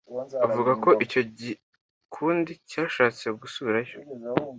avuga ko icyo gikundi cyashatse gusubirayo